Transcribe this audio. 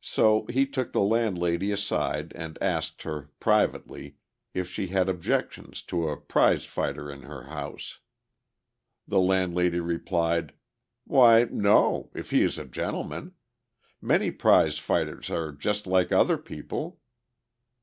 So he took the landlady aside and asked her, privately, if she had objections to a prize fighter in her house. The landlady replied, "Why, no! if he is a gentleman—many prize fighters are just like other people!"